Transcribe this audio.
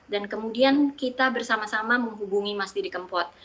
dan kemudian kita bersama sama menghubungi mas didi kempot